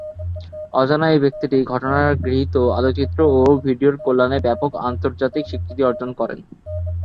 অজানা এই ব্যক্তিটি ঘটনার গৃহীত আলোকচিত্র ও ভিডিওর কল্যাণে ব্যাপক আন্তর্জাতিক স্বীকৃতি অর্জন করেন।